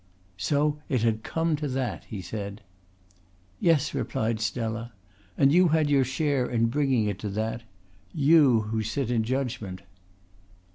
"So it had come to that?" he said. "Yes," replied Stella. "And you had your share in bringing it to that you who sit in judgment."